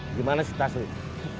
gimana si tas wih